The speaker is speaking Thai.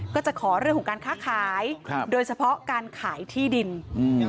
ก็จะขอเรื่องของการค้าขายครับโดยเฉพาะการขายที่ดินอืม